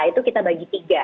itu kita bagi tiga